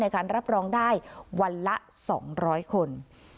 การรับรองได้วันละ๒๐๐คน